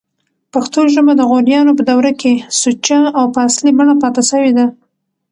پښتو ژبه دغوریانو په دوره کښي سوچه او په اصلي بڼه پاته سوې ده.